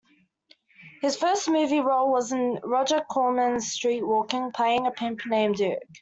His first movie role was in Roger Corman's "Streetwalkin"' playing a pimp named Duke.